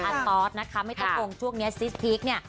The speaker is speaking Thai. ตอสนะคะไม่ต้องงงช่วงนี้ซิสพีคเนี่ย